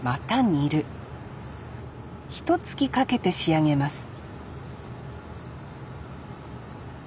ひとつきかけて仕上げます